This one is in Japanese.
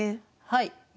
はい。